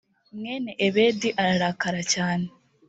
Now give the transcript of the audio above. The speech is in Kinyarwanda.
mwene ebedi ararakara cyane